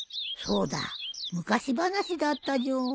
そうだ昔話だったじょ。